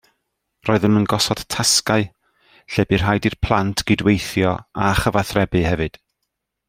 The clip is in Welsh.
Roeddwn yn gosod tasgau lle bu rhaid i'r plant gydweithio a chyfathrebu hefyd